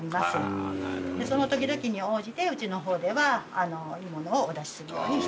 でその時々に応じてうちの方ではいいものをお出しするようにしてます。